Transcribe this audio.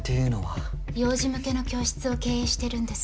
幼児向けの教室を経営してるんです。